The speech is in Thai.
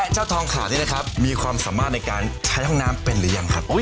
เจ้าทองขาดนี่นะครับมีความสามารถในการใช้ห้องน้ำเป็นหรือยังครับ